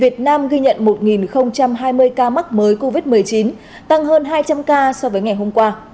hai mươi ca mắc mới covid một mươi chín tăng hơn hai trăm linh ca so với ngày hôm qua